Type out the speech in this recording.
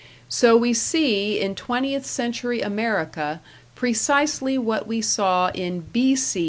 So we see in twentieth century America precisely what we saw in B.C.